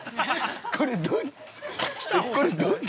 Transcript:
◆えっ、これどっち。